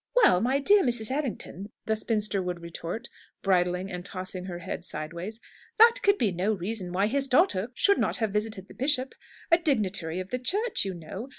"Well, my dear Mrs. Errington," the spinster would retort, bridling and tossing her head sideways, "that could be no reason why his daughter should not have visited the bishop! A dignitary of the Church, you know!